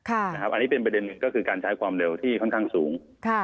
อันนี้เป็นประเด็นก็คือการใช้ความเร็วที่ค่อนข้างสูง